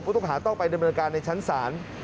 ต้องหาต้องไปดำเนินการในชั้นศาล